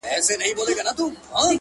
هغه ډېوه د نيمو شپو ده تور لوگى نه دی.!